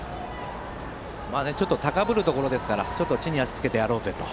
ちょっと高ぶるところですから地に足つけてやろうぜと。